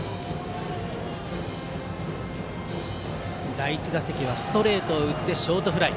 第１打席はストレートを打ってショートフライ。